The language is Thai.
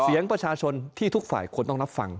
เสียงประชาชนที่ทุกฝ่ายควรต้องรับฟัง